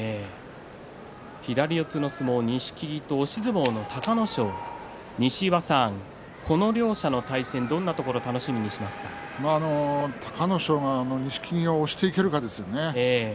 左四つの相撲、錦木と押し相撲の隆の勝西岩さん、この両者の対戦、どんなところ隆の勝が錦木を押していけるかですよね。